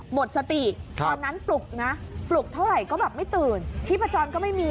หมดสติตอนนั้นปลุกนะปลุกเท่าไหร่ก็แบบไม่ตื่นชีพจรก็ไม่มี